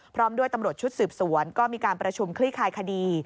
พร้อมด้วยตำรวจชุดสืบสวนก็มีการประชุมคลี่คลายคดี